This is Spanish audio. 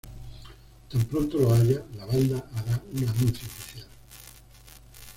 Tan pronto lo haya, la banda hará un anuncio oficial.